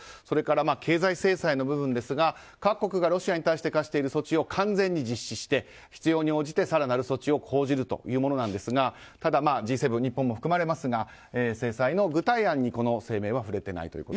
それから、経済制裁の部分ですが各国がロシアに対して科している措置を完全に実施して必要に応じて更なる措置を講じるというものですがただ、Ｇ７、日本も含まれますが制裁の具体案に声明は触れていないと。